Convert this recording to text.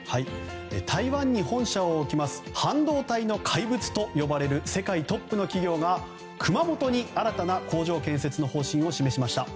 台湾に本社を置く半導体の怪物と呼ばれる世界トップの企業が熊本に新たな工場建設の方針を示しました。